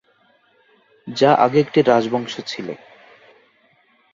যা আগে একটি রাজবংশ ছিলে।